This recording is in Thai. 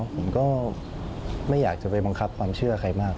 ผมก็ไม่อยากจะไปบังคับความเชื่อใครมาก